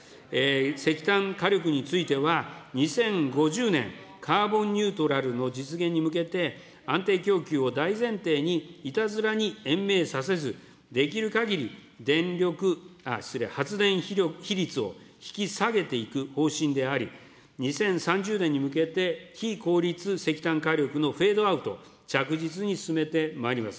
石炭火力については、２０５０年、カーボンニュートラルの実現に向けて、安定供給を大前提にいたずらに延命させず、できるかぎり、電力、失礼、発電比率を引き下げていく方針であり、２０３０年に向けて、非効率石炭火力のフェイドアウト、着実に進めてまいります。